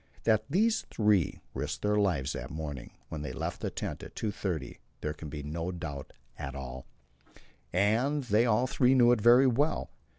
That these three risked their lives that morning, when they left the tent at 2.30, there can be no doubt at all, and they all three knew it very well.